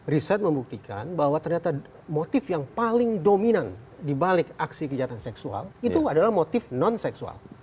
riset membuktikan bahwa ternyata motif yang paling dominan dibalik aksi kejahatan seksual itu adalah motif non seksual